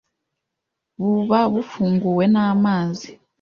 buba bufunguwe n’amazi